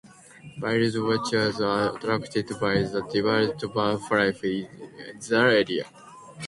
Bird watchers are attracted by the diverse birdlife in the area.